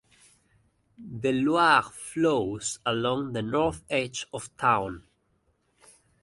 The Loire flows along the north edge of town.